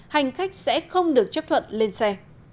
hành khách sẽ không được chấp thuận lên xe